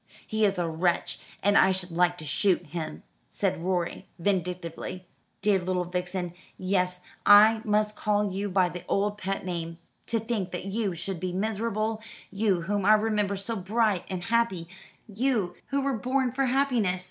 "He is a wretch, and I should like to shoot him," said Rorie vindictively. "Dear little Vixen yes, I must call you by the old pet name to think that you should be miserable, you whom I remember so bright and happy, you who were born for happiness!